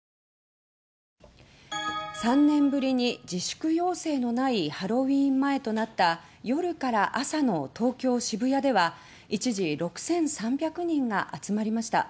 ３年ぶりに自粛要請のないハロウィーン前となった夜から朝の東京・渋谷では一時６３００人が集まりました。